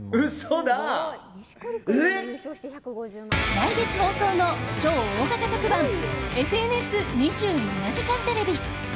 来月放送の超大型特番「ＦＮＳ２７時間テレビ」。